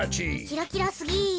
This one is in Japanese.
キラキラすぎる。